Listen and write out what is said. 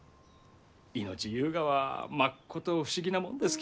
命ゆうがはまっこと不思議なもんですき。